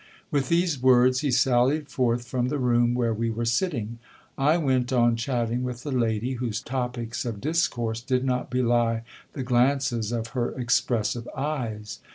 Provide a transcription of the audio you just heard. With these words he sallied forth from the room where we were sitting. I went on chat ting with the lady, whose topics of discourse did not bely the glances of her expressive eyes.